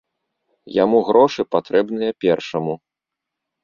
Яму грошы патрэбныя першаму.